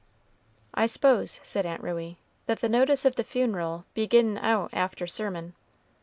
"I s'pose," said Aunt Ruey, "that the notice of the funeral'll be gin out after sermon."